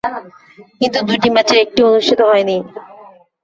কিন্তু দুটি ম্যাচের একটিও অনুষ্ঠিত হয়নি।